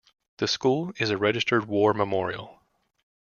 The school is a registered war memorial.